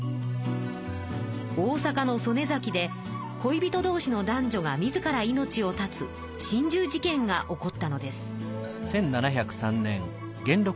大阪の曽根崎で恋人どうしの男女が自ら命を絶つ心中事件が起こったのです。